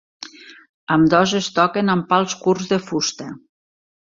Ambdós es toquen amb pals curts de fusta.